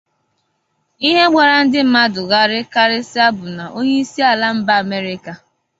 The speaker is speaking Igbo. Ịhe gbara ndị mmadụ gharịị karịsịa bụ na onye isi ala mba Amerịka